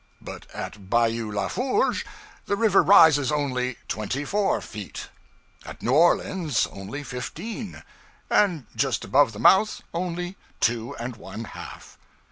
But at Bayou La Fourche the river rises only twenty four feet; at New Orleans only fifteen, and just above the mouth only two and one half.